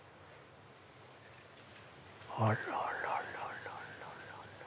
あららら。